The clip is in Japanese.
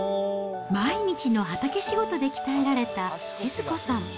毎日の畑仕事で鍛えられた志津子さん。